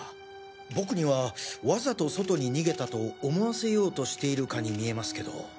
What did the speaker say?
僕にはわざと外に逃げたと思わせようとしているかに見えますけど。